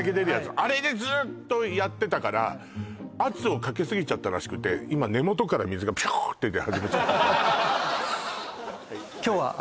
あれでずっとやってたから圧をかけすぎちゃったらしくて今根元から水がピューッて出始めちゃった